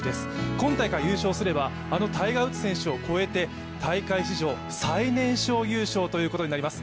今大会優勝すればあのタイガー・ウッズ選手を超えて大会史上最年少優勝ということになります。